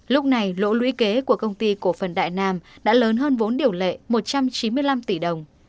lúc này lỗ lũy kế của công ty cổ phần đại nam đã lớn hơn vốn điều lệ một trăm chín mươi năm tỷ đồng